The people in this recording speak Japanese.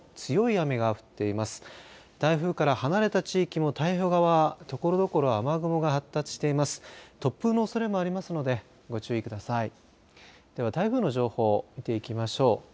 では台風の情報、見ていきましょう。